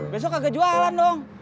besok kagak jualan dong